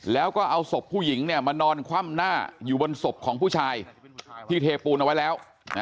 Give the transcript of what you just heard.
แล้วก็เอาศพผู้หญิงมานอนคว่ำหน้าอยู่บนศพของผู้ชายที่เทปูนเอาไว้แล้ว